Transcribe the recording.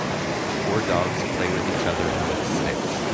Four dogs play with each other and with sticks.